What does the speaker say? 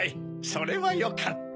それはよかった。